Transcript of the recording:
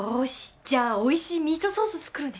じゃあおいしいミートソース作るね。